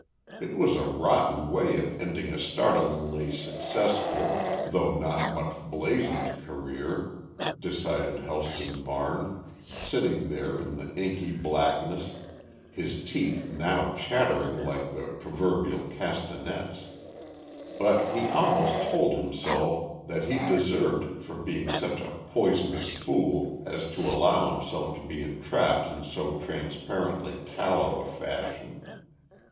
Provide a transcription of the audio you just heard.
It was a rotten way of ending a startlingly successful, though not much blazoned career, decided Helston Varne, sitting there in the inky blackness, his teeth now chattering like the proverbial castanets. But he almost told himself that he deserved it for being such a poisonous fool as to allow himself to be entrapped in so transparently callow a fashion.